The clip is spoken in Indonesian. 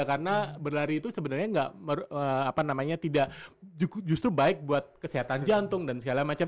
karena berlari itu sebenarnya tidak apa namanya tidak justru baik buat kesehatan jantung dan segala macam